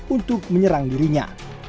untuk menyerang dirinya